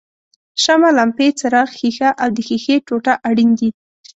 شمع، لمپې څراغ ښيښه او د ښیښې ټوټه اړین دي.